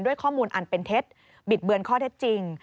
ข้อมูลอันเป็นเท็จบิดเบือนข้อเท็จจริง